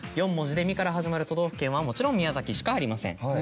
４文字で「み」から始まる都道府県はもちろん宮崎しかありません。